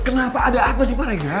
kenapa ada apa sih pak reza